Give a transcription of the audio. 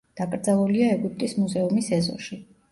დაკრძალულია ეგვიპტის მუზეუმის ეზოში.